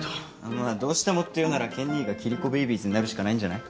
まあどうしてもっていうなら健兄がキリコベイビーズになるしかないんじゃない？